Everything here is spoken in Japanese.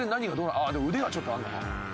あっでも腕がちょっとあるのか。